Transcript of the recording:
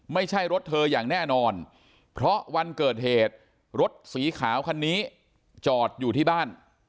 ไม่ใช่รถเธออย่างแน่นอนเพราะวันเกิดเหตุรถสีขาวคันนี้จอดอยู่ที่บ้าน